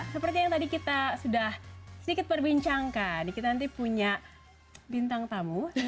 seperti yang tadi kita sudah sedikit perbincangkan kita nanti punya bintang tamu